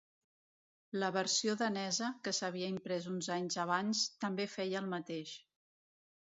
La versió danesa, que s'havia imprès uns anys abans, també feia el mateix.